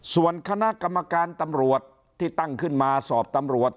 ส่วนคณะกรรมการตำรวจที่ตั้งขึ้นมาสอบตำรวจ